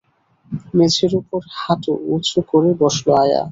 মেঝের উপর হাঁটু উঁচু করে বসল আয়া।